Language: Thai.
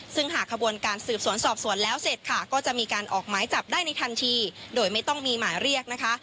ซึ่งหากขบวนการสืบสวนสอบสวนแล้วเสร็จค่ะก็จะมีการออกหมายจับได้ในทันทีโดยไม่ต้องมีหมายเรียกนะคะ